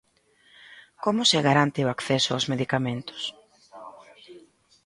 Como se garante o acceso aos medicamentos?